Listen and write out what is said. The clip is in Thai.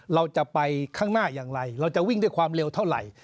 เราจะไปข้างหน้าอย่างไรเราจะวิ่งด้วยความเร็วเท่าไหร่